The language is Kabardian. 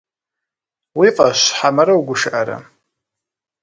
Уи фӏэщ хьэмэрэ угушыӏэрэ?